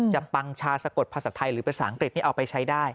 ปังชาสะกดภาษาไทยหรือภาษาอังกฤษนี่เอาไปใช้ได้